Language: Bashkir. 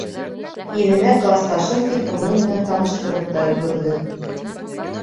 Иренә, класташым, тип уның менән таныштырып та өлгөрҙө.